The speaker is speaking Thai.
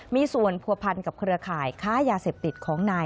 มีส่วนผัวพันกับเครือข่ายค้ายาเสพติดของนาย